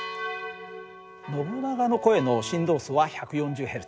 ノブナガの声の振動数は１４０Ｈｚ。